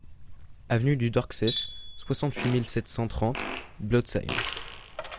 Avenue du Drucksess, soixante-huit mille sept cent trente Blotzheim